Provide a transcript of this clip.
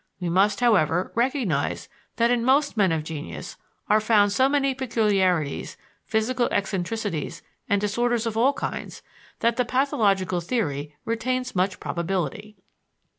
We must, however, recognize that in most men of genius are found so many peculiarities, physical eccentricities and disorders of all kinds that the pathologic theory retains much probability.